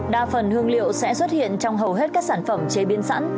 đa phần hương liệu sẽ xuất hiện trong hầu hết các sản phẩm chế biến sẵn